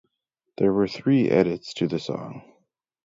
There were three edits to the song.